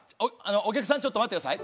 お客さんちょっと待って下さい。